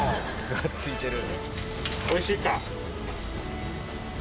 「がっついてる」